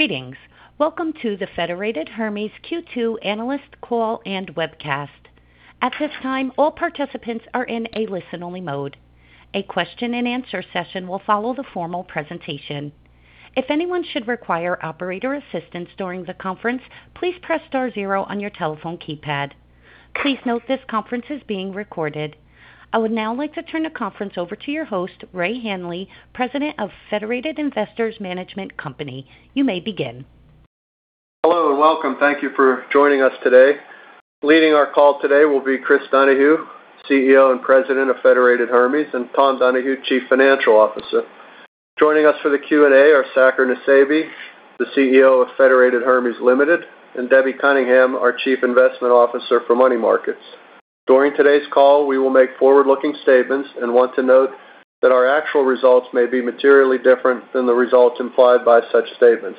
Greetings. Welcome to the Federated Hermes Q2 analyst call and webcast. At this time, all participants are in a listen-only mode. A question and answer session will follow the formal presentation. If anyone should require operator assistance during the conference, please press star zero on your telephone keypad. Please note this conference is being recorded. I would now like to turn the conference over to your host, Ray Hanley, President of Federated Investors Management Company. You may begin. Hello. Welcome. Thank you for joining us today. Leading our call today will be Chris Donahue, CEO and President of Federated Hermes, Tom Donahue, Chief Financial Officer. Joining us for the Q&A are Saker Nusseibeh, the CEO of Federated Hermes Limited, and Debbie Cunningham, our Chief Investment Officer for Money Markets. During today's call, we will make forward-looking statements and want to note that our actual results may be materially different than the results implied by such statements.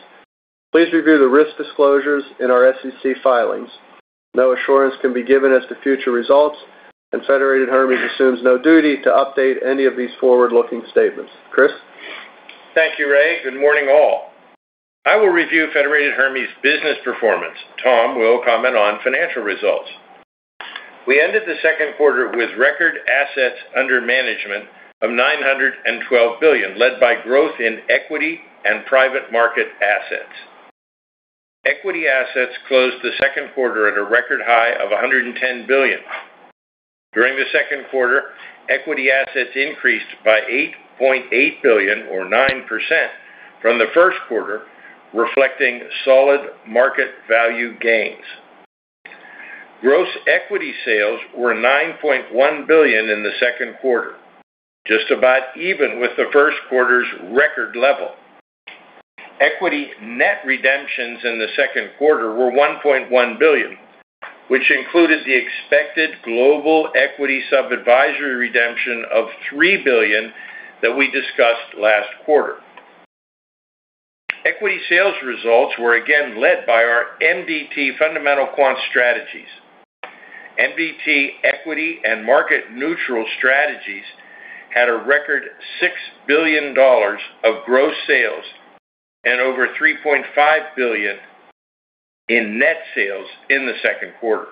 Please review the risk disclosures in our SEC filings. No assurance can be given as to future results and Federated Hermes assumes no duty to update any of these forward-looking statements. Chris? Thank you, Ray. Good morning, all. I will review Federated Hermes' business performance. Tom will comment on financial results. We ended the second quarter with record assets under management of $912 billion, led by growth in equity and private market assets. Equity assets closed the second quarter at a record high of $110 billion. During the second quarter, equity assets increased by $8.8 billion or 9% from the first quarter, reflecting solid market value gains. Gross equity sales were $9.1 billion in the second quarter, just about even with the first quarter's record level. Equity net redemptions in the second quarter were $1.1 billion, which included the expected global equity sub-advisory redemption of $3 billion that we discussed last quarter. Equity sales results were again led by our MDT fundamental quant strategies. MDT equity and market neutral strategies had a record $6 billion of gross sales and over $3.5 billion in net sales in the second quarter.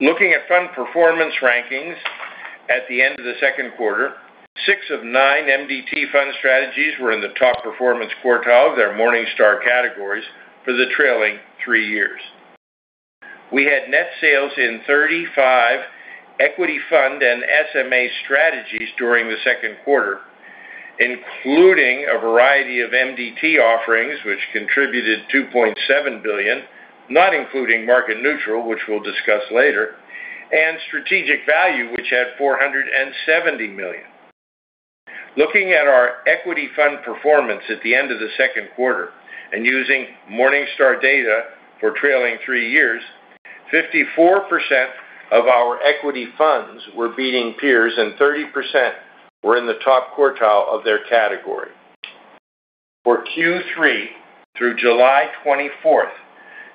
Looking at fund performance rankings at the end of the second quarter, six of nine MDT fund strategies were in the top performance quartile of their Morningstar categories for the trailing three years. We had net sales in 35 equity fund and SMA strategies during the second quarter, including a variety of MDT offerings, which contributed $2.7 billion, not including market neutral, which we'll discuss later, and Strategic Value, which had $470 million. Looking at our equity fund performance at the end of the second quarter and using Morningstar data for trailing three years, 54% of our equity funds were beating peers and 30% were in the top quartile of their category. For Q3, through July 24th,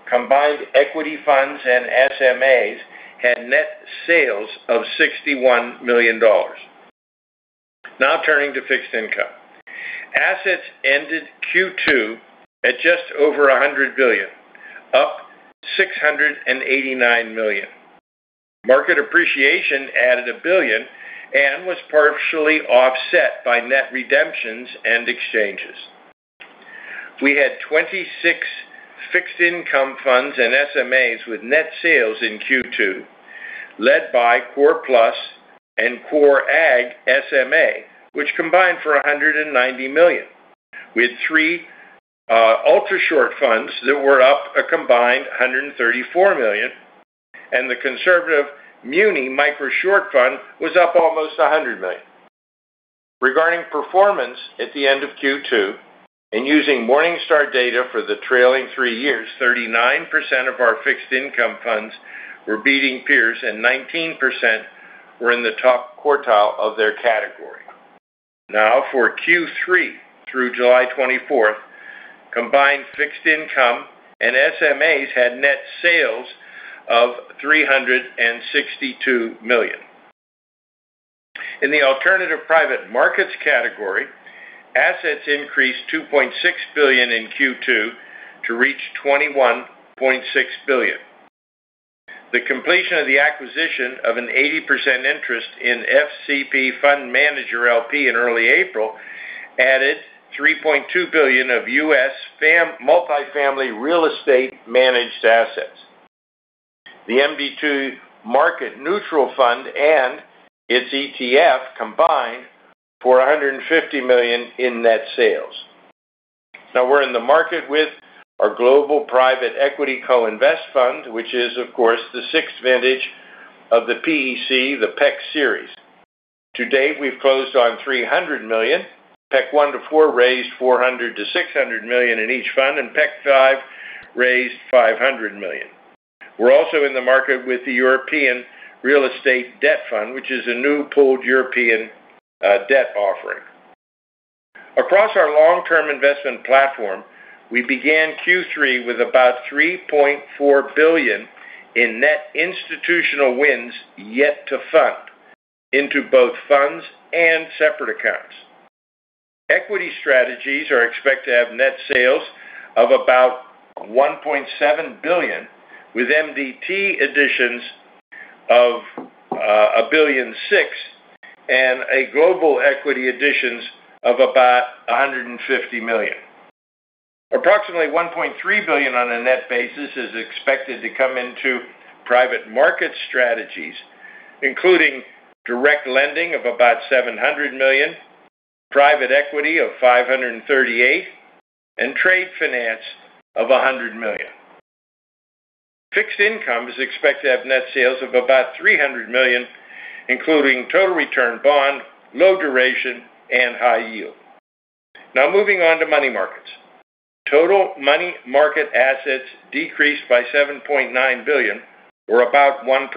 combined equity funds and SMAs had net sales of $61 million. Turning to fixed income. Assets ended Q2 at just over $100 billion, up $689 million. Market appreciation added $1 billion and was partially offset by net redemptions and exchanges. We had 26 fixed income funds and SMAs with net sales in Q2, led by Core Plus and Core Agg SMA, which combined for $190 million, with three Ultrashort Bond Funds that were up a combined $134 million, and the conservative Muni Micro Short Fund was up almost $100 million. Regarding performance at the end of Q2, and using Morningstar data for the trailing three years, 39% of our fixed income funds were beating peers and 19% were in the top quartile of their category. For Q3, through July 24th, combined fixed income and SMAs had net sales of $362 million. In the alternative private markets category, assets increased $2.6 billion in Q2 to reach $21.6 billion. The completion of the acquisition of an 80% interest in FCP Fund Manager, L.P. in early April added $3.2 billion of U.S. multifamily real estate managed assets. The MDT market neutral fund and its ETF combined for $150 million in net sales. We're in the market with our global private equity co-invest fund, which is of course the sixth vintage of the PEC, the PEC series. To date, we've closed on $300 million. PEC 1 to 4 raised $400 million-$600 million in each fund, and PEC 5 raised $500 million. We're also in the market with the European Real Estate Debt Fund, which is a new pooled European debt offering. Across our long-term investment platform, we began Q3 with about $3.4 billion in net institutional wins yet to fund into both funds and separate accounts. Equity strategies are expected to have net sales of about $1.7 billion, with MDT additions of $1.6 billion and global equity additions of about $150 million. Approximately $1.3 billion on a net basis is expected to come into private market strategies, including direct lending of about $700 million, private equity of $538 million, and trade finance of $100 million. Fixed income is expected to have net sales of about $300 million, including total return bond, low duration, and high yield. Moving on to money markets. Total money market assets decreased by $7.9 billion or about 1%.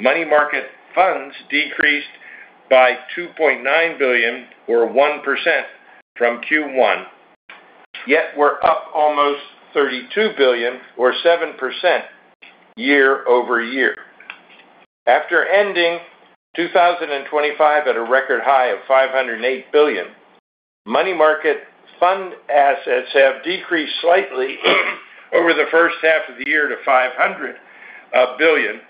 Money market funds decreased by $2.9 billion or 1% from Q1, yet were up almost $32 billion or 7% year-over-year. After ending 2025 at a record high of $508 billion, money market fund assets have decreased slightly over the first half of the year to $500 billion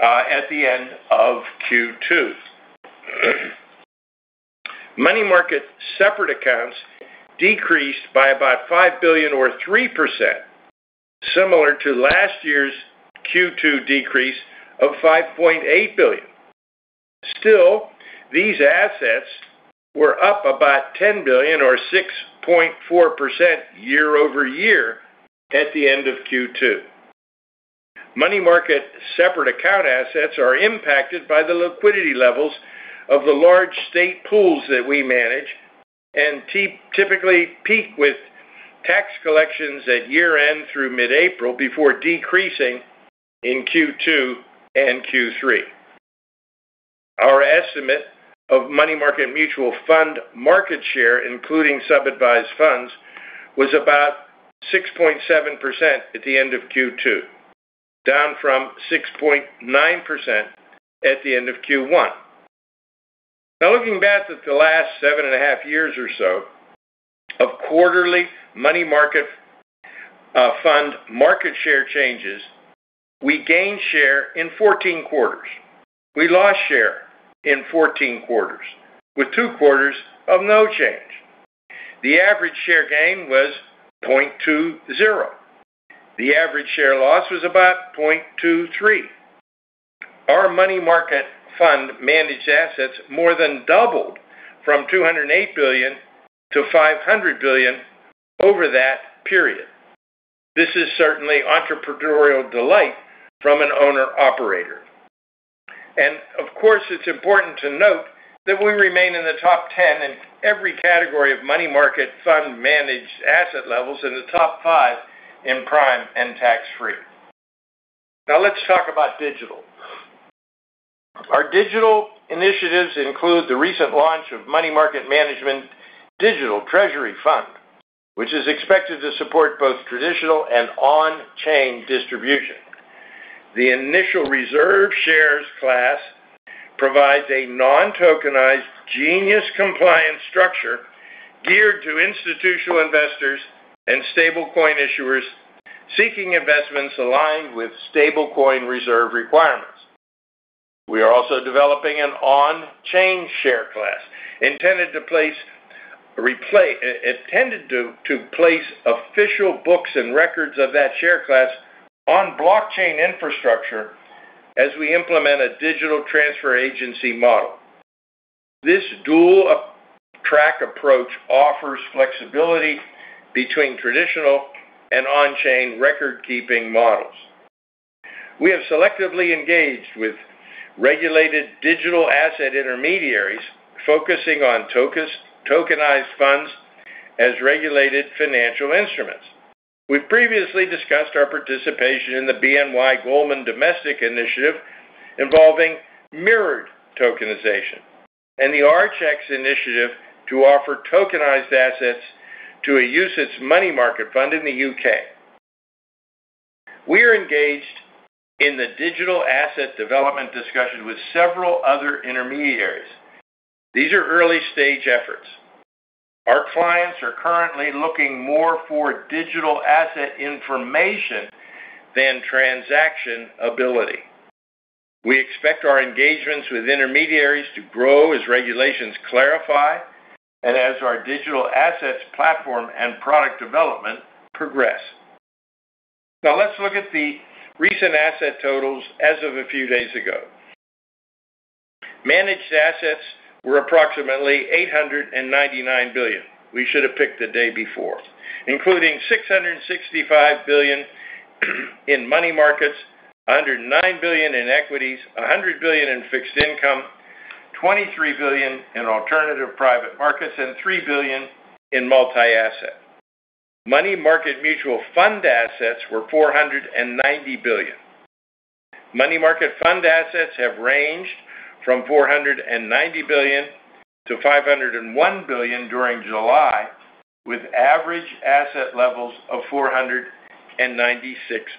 at the end of Q2. Money market separate accounts decreased by about $5 billion or 3%, similar to last year's Q2 decrease of $5.8 billion. Still, these assets were up about $10 billion or 6.4% year-over-year at the end of Q2. Money market separate account assets are impacted by the liquidity levels of the large state pools that we manage and typically peak with tax collections at year-end through mid-April before decreasing in Q2 and Q3. Our estimate of money market mutual fund market share, including sub-advised funds, was about 6.7% at the end of Q2, down from 6.9% at the end of Q1. Now looking back at the last seven and a half years or so of quarterly money market fund market share changes, we gained share in 14 quarters. We lost share in 14 quarters, with two quarters of no change. The average share gain was 0.20. The average share loss was about 0.23. Our money market fund managed assets more than doubled from $208 billion-$500 billion over that period. This is certainly entrepreneurial delight from an owner/operator. Of course, it's important to note that we remain in the top 10 in every category of money market fund managed asset levels in the top five in prime and tax-free. Now let's talk about digital. Our digital initiatives include the recent launch of Money Market Management Digital Treasury Fund, which is expected to support both traditional and on-chain distribution. The initial reserve shares class provides a non-tokenized GENIUS compliance structure geared to institutional investors and stablecoin issuers seeking investments aligned with stablecoin reserve requirements. We are also developing an on-chain share class intended to place official books and records of that share class on blockchain infrastructure as we implement a digital transfer agency model. This dual track approach offers flexibility between traditional and on-chain record-keeping models. We have selectively engaged with regulated digital asset intermediaries focusing on tokenized funds as regulated financial instruments. We've previously discussed our participation in the BNY Goldman domestic initiative involving mirrored tokenization and the Archax initiative to offer tokenized assets to a UCITS money market fund in the U.K. We are engaged in the digital asset development discussion with several other intermediaries. These are early-stage efforts. Our clients are currently looking more for digital asset information than transaction ability. We expect our engagements with intermediaries to grow as regulations clarify and as our digital assets platform and product development progress. Now let's look at the recent asset totals as of a few days ago. Managed assets were approximately $899 billion. We should have picked the day before, including $665 billion in money markets, $109 billion in equities, $100 billion in fixed income, $23 billion in alternative private markets, and $3 billion in multi-asset. Money market mutual fund assets were $490 billion. Money market fund assets have ranged from $490 billion-$501 billion during July with average asset levels of $496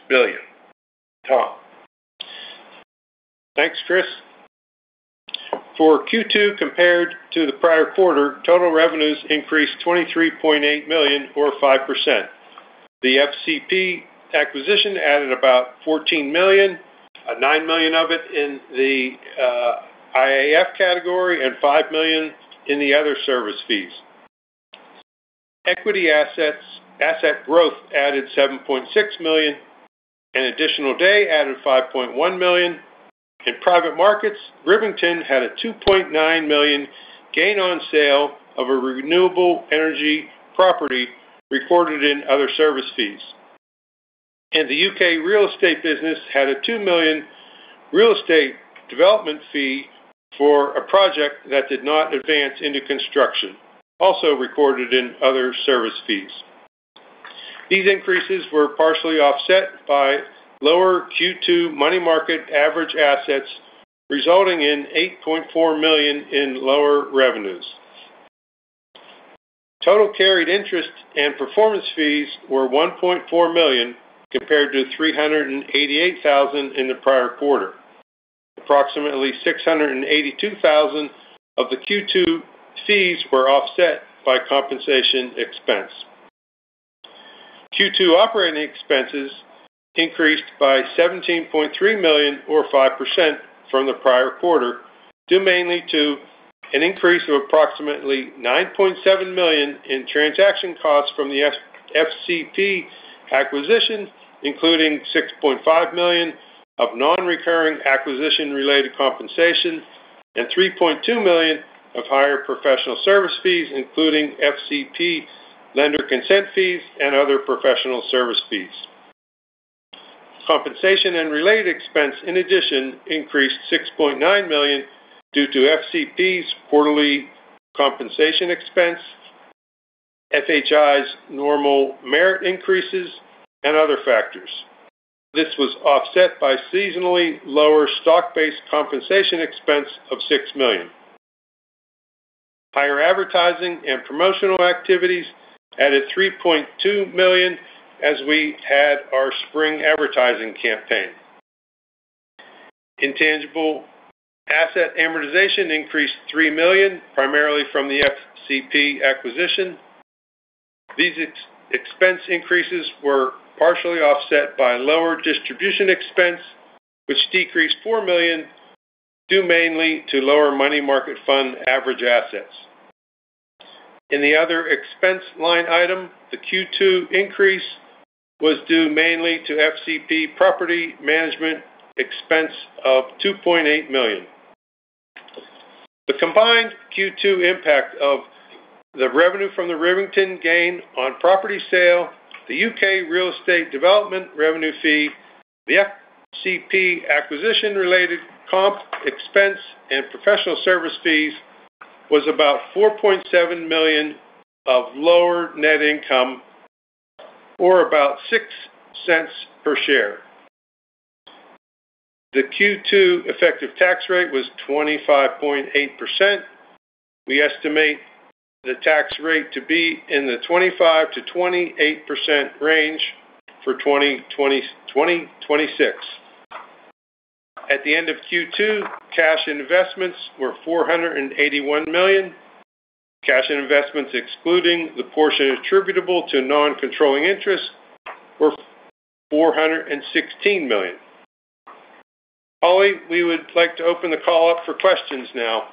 billion. Tom. Th anks, Chris. For Q2 compared to the prior quarter, total revenues increased $23.8 million or 5%. The FCP acquisition added about $14 million, $9 million of it in the IAF category and $5 million in the other service fees. Equity asset growth added $7.6 million. An additional day added $5.1 million. In private markets, Rivington had a $2.9 million gain on sale of a renewable energy property recorded in other service fees. The U.K. real estate business had a $2 million real estate development fee for a project that did not advance into construction, also recorded in other service fees. These increases were partially offset by lower Q2 money market average assets, resulting in $8.4 million in lower revenues. Total carried interest and performance fees were $1.4 million, compared to $388,000 in the prior quarter. Approximately $682,000 of the Q2 fees were offset by compensation expense. Q2 operating expenses increased by $17.3 million or 5% from the prior quarter, due mainly to an increase of approximately $9.7 million in transaction costs from the FCP acquisition, including $6.5 million of non-recurring acquisition-related compensation and $3.2 million of higher professional service fees, including FCP lender consent fees, and other professional service fees. Compensation and related expense, in addition, increased $6.9 million due to FCP's quarterly compensation expense, FHI's normal merit increases, and other factors. This was offset by seasonally lower stock-based compensation expense of $6 million. Higher advertising and promotional activities added $3.2 million as we had our spring advertising campaign. Intangible asset amortization increased $3 million, primarily from the FCP acquisition. These expense increases were partially offset by lower distribution expense, which decreased $4 million, due mainly to lower money market fund average assets. In the other expense line item, the Q2 increase was due mainly to FCP property management expense of $2.8 million. The combined Q2 impact of the revenue from the Rivington gain on property sale, the U.K. real estate development revenue fee, the FCP acquisition-related comp expense, and professional service fees was about $4.7 million of lower net income, or about $0.06 per share. The Q2 effective tax rate was 25.8%. We estimate the tax rate to be in the 25%-28% range for 2026. At the end of Q2, cash investments were $481 million. Cash investments excluding the portion attributable to non-controlling interests were $416 million. Holly, we would like to open the call up for questions now.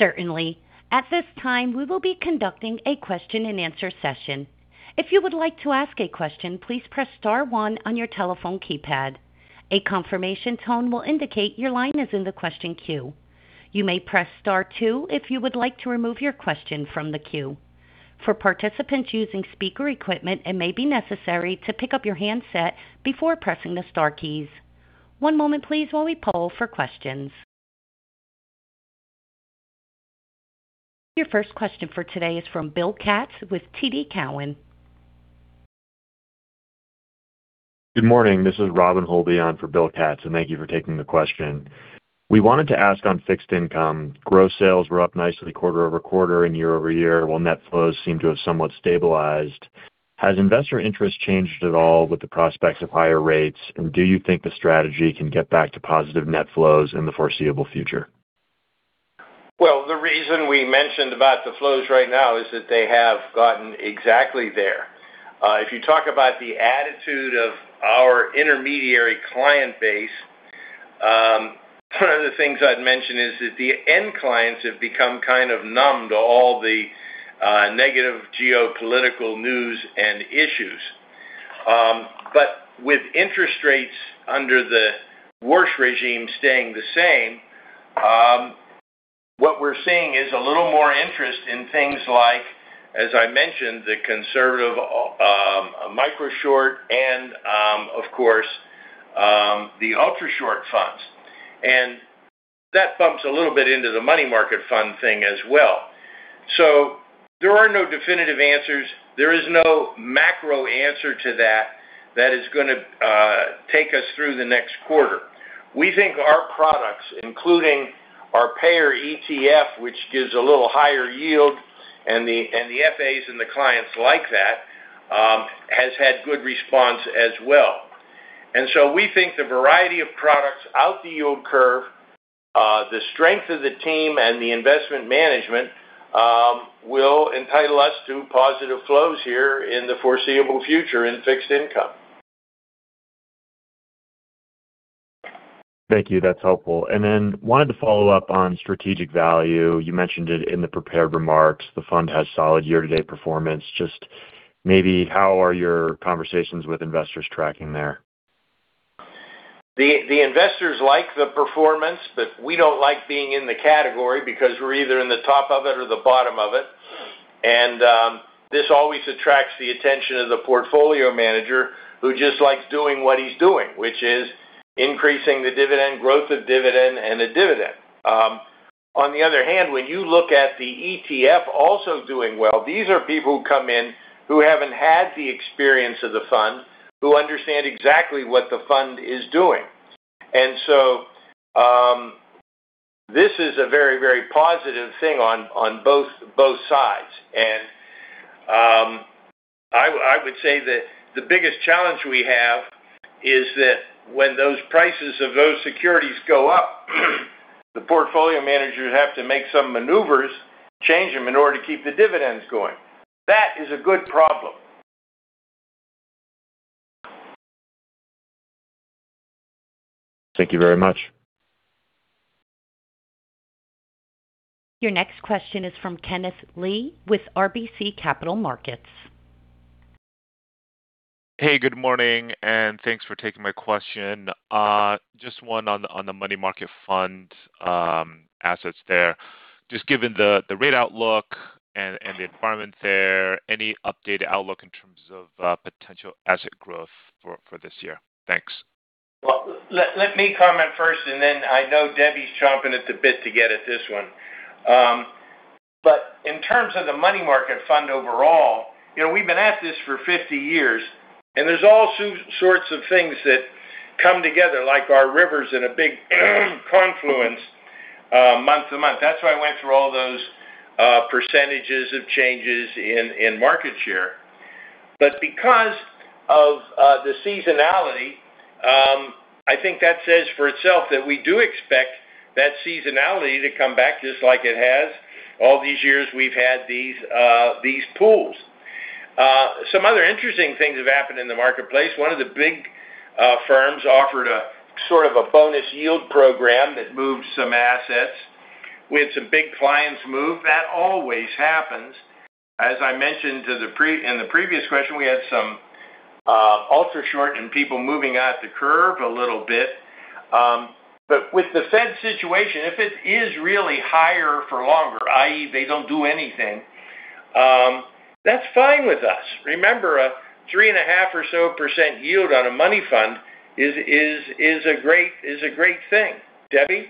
Certainly. At this time, we will be conducting a question and answer session. If you would like to ask a question, please press star one on your telephone keypad. A confirmation tone will indicate your line is in the question queue. You may press star two if you would like to remove your question from the queue. For participants using speaker equipment, it may be necessary to pick up your handset before pressing the star keys. One moment please while we poll for questions. Your first question for today is from Bill Katz with TD Cowen. Good morning. This is Robin Holby for Bill Katz, and thank you for taking the question. We wanted to ask on fixed income, gross sales were up nicely quarter-over-quarter and year-over-year, while net flows seem to have somewhat stabilized. Has investor interest changed at all with the prospects of higher rates, and do you think the strategy can get back to positive net flows in the foreseeable future? Well, the reason we mentioned about the flows right now is that they have gotten exactly there. If you talk about the attitude of our intermediary client base, one of the things I'd mention is that the end clients have become kind of numb to all the negative geopolitical news and issues. With interest rates under the worst regime staying the same, what we're seeing is a little more interest in things like, as I mentioned, the conservative micro short and, of course, the ultrashort funds. That bumps a little bit into the money market fund thing as well. There are no definitive answers. There is no macro answer to that is going to take us through the next quarter. We think our products, including our PAYR ETF, which gives a little higher yield, and the FAs and the clients like that, has had good response as well. We think the variety of products out the yield curve, the strength of the team and the investment management, will entitle us to positive flows here in the foreseeable future in fixed income. Thank you. That's helpful. Wanted to follow up on Strategic Value. You mentioned it in the prepared remarks. The fund has solid year-to-date performance. Just maybe how are your conversations with investors tracking there? The investors like the performance, we don't like being in the category because we're either in the top of it or the bottom of it. This always attracts the attention of the portfolio manager who just likes doing what he's doing, which is increasing the dividend, growth of dividend, and the dividend. On the other hand, when you look at the ETF also doing well, these are people who come in who haven't had the experience of the fund, who understand exactly what the fund is doing. This is a very, very positive thing on both sides. I would say that the biggest challenge we have is that when those prices of those securities go up, the portfolio managers have to make some maneuvers, change them in order to keep the dividends going. That is a good problem. Thank you very much. Your next question is from Kenneth Lee with RBC Capital Markets. Hey, good morning. Thanks for taking my question. Just one on the money market fund assets there. Just given the rate outlook and the environment there, any updated outlook in terms of potential asset growth for this year? Thanks. Well, let me comment first. Then I know Debbie's chomping at the bit to get at this one. In terms of the money market fund overall, we've been at this for 50 years, there's all sorts of things that come together, like our rivers in a big confluence, month to month. That's why I went through all those percentages of changes in market share. Because of the seasonality, I think that says for itself that we do expect that seasonality to come back just like it has. All these years we've had these pools. Some other interesting things have happened in the marketplace. One of the big firms offered a sort of a bonus yield program that moved some assets. We had some big clients move. That always happens. As I mentioned in the previous question, we had some ultrashort and people moving out the curve a little bit. With the Fed situation, if it is really higher for longer, i.e., they don't do anything, that's fine with us. Remember, a 3.5% or so yield on a money fund is a great thing. Debbie?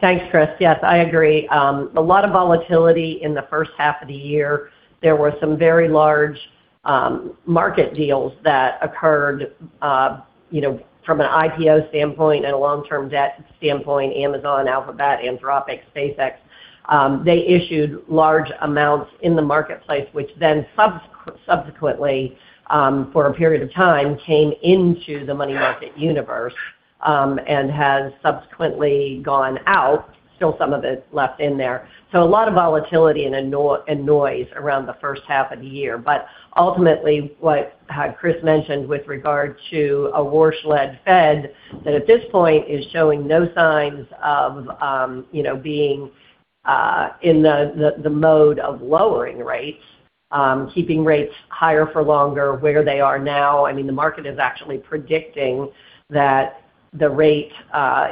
Thanks, Chris. Yes, I agree. A lot of volatility in the first half of the year. There were some very large market deals that occurred from an IPO standpoint and a long-term debt standpoint, Amazon, Alphabet, Anthropic, SpaceX. They issued large amounts in the marketplace, which subsequently, for a period of time, came into the money market universe, and has subsequently gone out. Still, some of it's left in there. A lot of volatility and noise around the first half of the year. Ultimately, what Chris mentioned with regard to a Warsh-led Fed, that at this point is showing no signs of being in the mode of lowering rates. Keeping rates higher for longer where they are now. The market is actually predicting that the rate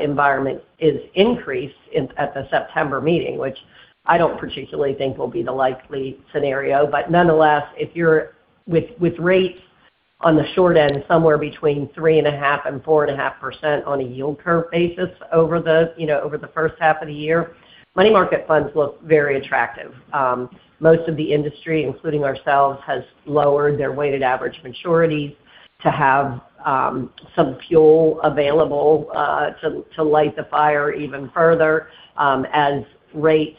environment is increased at the September meeting, which I don't particularly think will be the likely scenario. Nonetheless, with rates on the short end, somewhere between 3.5% and 4.5% on a yield curve basis over the first half of the year, money market funds look very attractive. Most of the industry, including ourselves, has lowered their weighted average maturities to have some fuel available to light the fire even further. As rates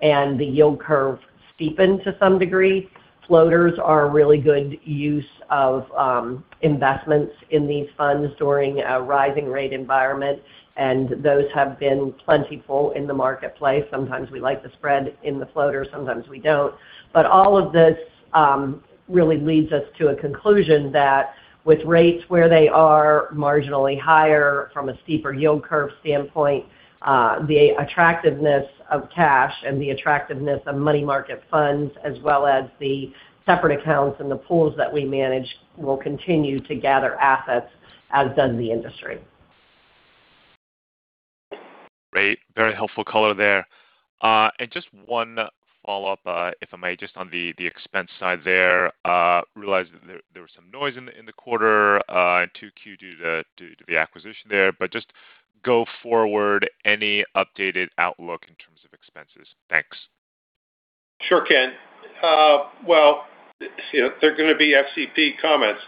and the yield curve steepen to some degree, floaters are a really good use of investments in these funds during a rising rate environment, and those have been plentiful in the marketplace. Sometimes we like the spread in the floater, sometimes we don't. All of this really leads us to a conclusion that with rates where they are marginally higher from a steeper yield curve standpoint, the attractiveness of cash and the attractiveness of money market funds, as well as the separate accounts and the pools that we manage, will continue to gather assets as does the industry. Great. Very helpful color there. Just one follow-up, if I may, just on the expense side there. Realizing there was some noise in the quarter in 2Q due to the acquisition there, just go forward, any updated outlook in terms of expenses? Thanks. Sure, Ken. They're going to be FCP comments.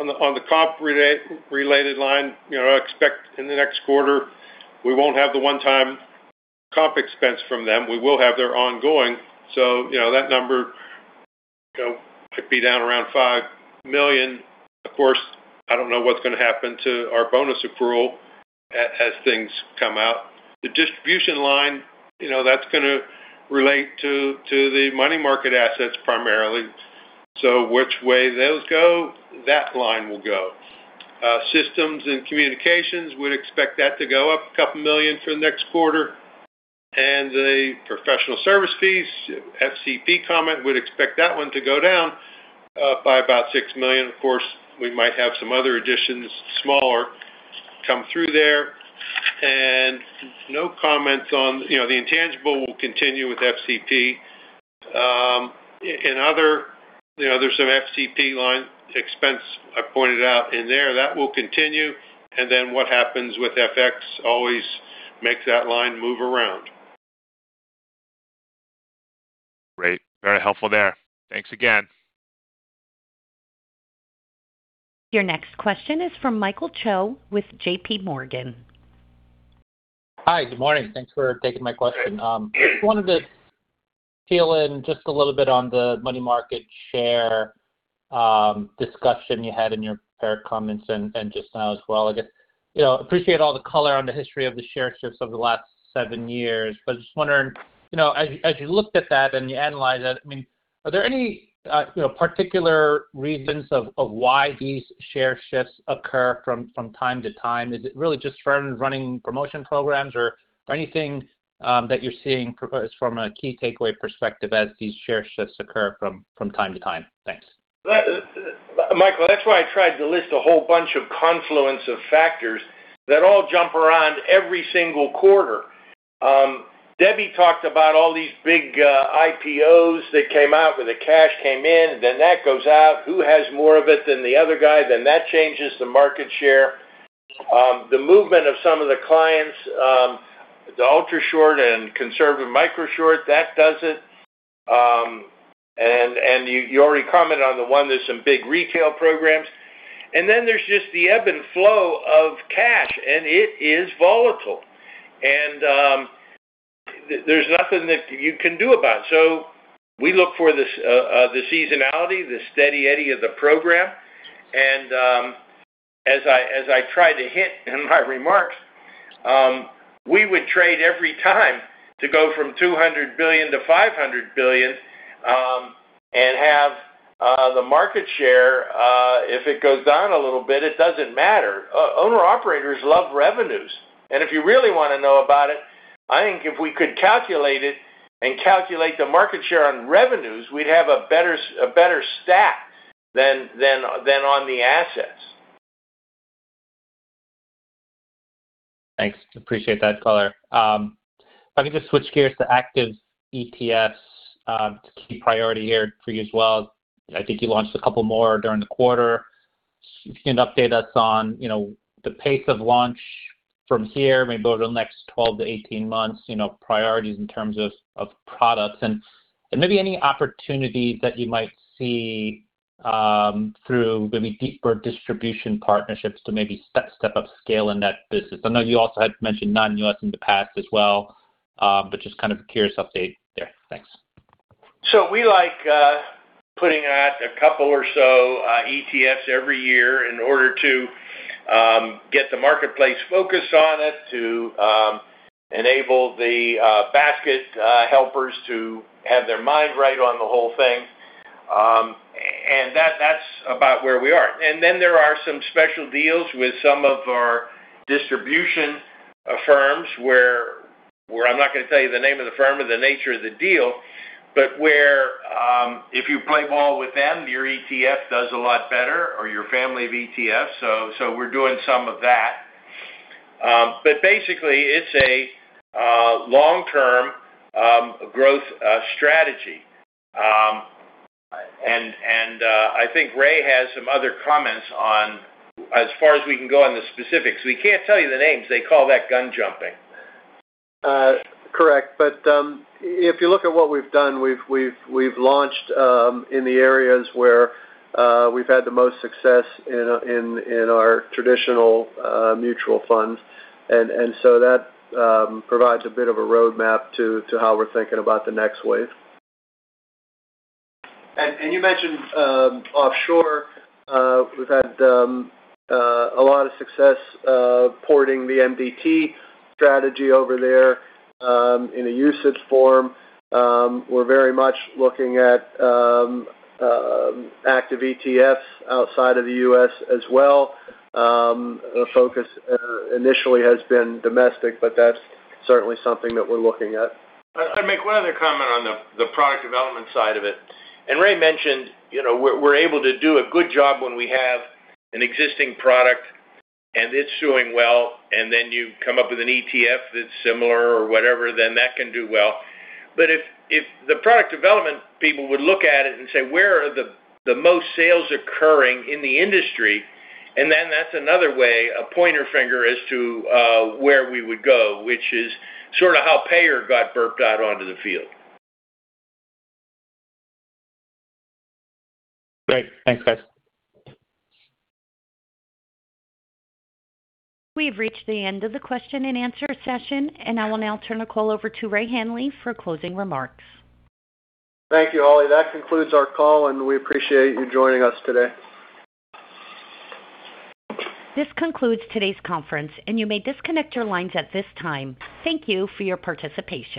On the comp-related line, expect in the next quarter we won't have the one-time comp expense from them. We will have their ongoing, so that number could be down around $5 million. Of course, I don't know what's going to happen to our bonus accrual as things come out. The distribution line, that's going to relate to the money market assets primarily. Which way those go, that line will go. Systems and communications, we'd expect that to go up a couple million for the next quarter. The professional service fees, FCP comment, would expect that one to go down by about $6 million. Of course, we might have some other additions, smaller, come through there. No comments on the intangible will continue with FCP. In other, there's some FCP line expense I pointed out in there. That will continue. What happens with FX always makes that line move around. Great. Very helpful there. Thanks again. Your next question is from Michael Cho with J.P. Morgan. Hi, good morning. Thanks for taking my question. Just wanted to peel in just a little bit on the money market share discussion you had in your prepared comments and just now as well. I appreciate all the color on the history of the share shifts over the last seven years. Just wondering, as you looked at that and you analyze that, are there any particular reasons of why these share shifts occur from time to time? Is it really just firms running promotion programs or anything that you're seeing from a key takeaway perspective as these share shifts occur from time to time? Thanks. Michael, that's why I tried to list a whole bunch of confluence of factors that all jump around every single quarter. Debbie talked about all these big IPOs that came out, where the cash came in, then that goes out. Who has more of it than the other guy, then that changes the market share. The movement of some of the clients, the Ultrashort and Conservative Microshort, that does it. You already commented on the one, there's some big retail programs. Then there's just the ebb and flow of cash, and it is volatile. There's nothing that you can do about it. We look for the seasonality, the steady eddy of the program. As I tried to hint in my remarks, we would trade every time to go from $200 billion-$500 billion and have the market share. If it goes down a little bit, it doesn't matter. Owner-operators love revenues. If you really want to know about it, I think if we could calculate it and calculate the market share on revenues, we'd have a better stat than on the assets. Thanks. Appreciate that color. If I can just switch gears to active ETFs, a key priority here for you as well. I think you launched a couple more during the quarter. If you can update us on the pace of launch from here, maybe over the next 12 months-18 months, priorities in terms of products, and maybe any opportunities that you might see through maybe deeper distribution partnerships to maybe step up scale in that business. I know you also had mentioned non-U.S. in the past as well. Just kind of curious update there. Thanks. We like putting out a couple or so ETFs every year in order to get the marketplace focus on it, to enable the basket helpers to have their mind right on the whole thing. That's about where we are. There are some special deals with some of our distribution firms where, I'm not going to tell you the name of the firm or the nature of the deal. Where if you play ball with them, your ETF does a lot better, or your family of ETFs. We're doing some of that. Basically, it's a long-term growth strategy. I think Ray has some other comments on as far as we can go on the specifics. We can't tell you the names. They call that gun jumping. Correct. If you look at what we've done, we've launched in the areas where we've had the most success in our traditional mutual funds. That provides a bit of a roadmap to how we're thinking about the next wave. You mentioned offshore. We've had a lot of success porting the MDT strategy over there in a UCITS form. We're very much looking at active ETFs outside of the U.S. as well. The focus initially has been domestic. That's certainly something that we're looking at. I'd make one other comment on the product development side of it. Ray mentioned we're able to do a good job when we have an existing product and it's doing well, and then you come up with an ETF that's similar or whatever, then that can do well. If the product development people would look at it and say, "Where are the most sales occurring in the industry?" That's another way, a pointer finger as to where we would go, which is sort of how PAYR got burped out onto the field. Great. Thanks, guys. We've reached the end of the question and answer session. I will now turn the call over to Ray Hanley for closing remarks. Thank you, Holly. That concludes our call. We appreciate you joining us today. This concludes today's conference. You may disconnect your lines at this time. Thank you for your participation.